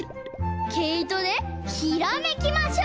けいとでひらめきましょう！